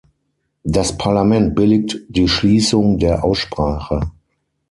Das Parlament billigt die Schließung der Aussprache.